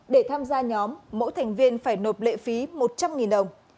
để tham gia nhóm mỗi thành viên phải nộp lệ phí một trăm linh đồng